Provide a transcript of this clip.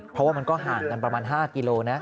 เพราะว่ามันก็ห่างกันประมาณ๕กิโลนะ